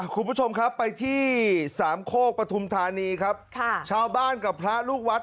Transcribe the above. คุณผู้ชมครับไปที่สามโคกปฐุมธานีครับค่ะชาวบ้านกับพระลูกวัด